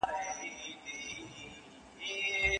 له خپله سیوري خلک ویریږي